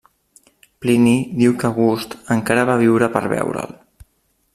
Plini diu que August encara va viure per veure'l.